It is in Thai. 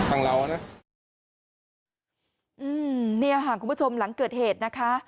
อืมเนี่ยคุณผู้ชมหลังเกิดเหตุนะคะ